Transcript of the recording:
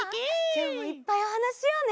きょうもいっぱいおはなししようね。